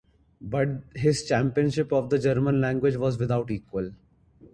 But his championship of the German language was without equal.